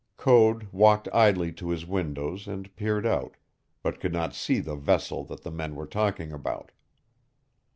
Code walked idly to his windows and peered out, but could not see the vessel that the men were talking about.